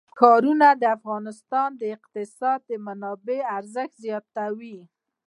ښارونه د افغانستان د اقتصادي منابعو ارزښت زیاتوي.